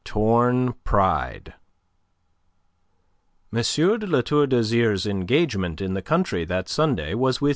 TORN PRIDE M. de La Tour d'Azyr's engagement in the country on that Sunday was with M.